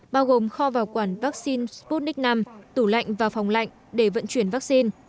bao gồm kho vào quản vắc xin sputnik v tủ lạnh và phòng lạnh để vận chuyển vắc xin